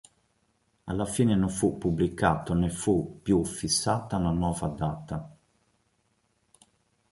Alla fine non fu pubblicato né fu più fissata una nuova data.